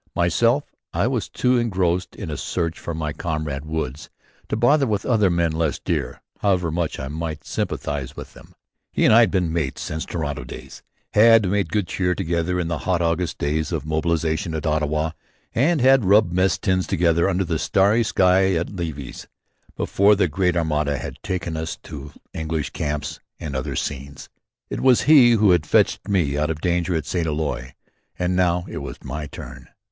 Myself, I was too much engrossed in a search for my comrade Woods to bother with other men less dear, however much I might sympathise with them. He and I had been "mates" since Toronto days, had made good cheer together in the hot August days of mobilisation at Ottawa and had rubbed mess tins together under the starry sky at Levis before the great Armada had taken us to English camps and other scenes. It was he who had fetched me out of danger at St. Eloi. And now it was my turn.